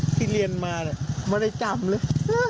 พี่เรียนมาเนี่ยไม่ได้จำเลย